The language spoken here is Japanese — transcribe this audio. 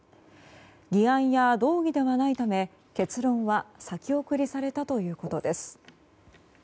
議案や動議ではないため結論は先送りされたということです。